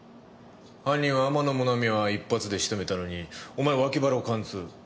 犯人は天野もなみは１発でしとめたのにお前わき腹を貫通。